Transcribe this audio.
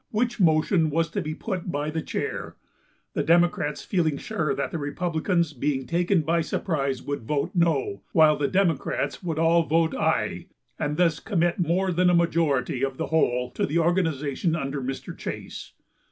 which motion was to be put by the chair, the Democrats feeling sure that the Republicans being taken by surprise would vote no, while the Democrats would all vote aye, and thus commit more than a majority of the whole to the organization under Mr. Chase.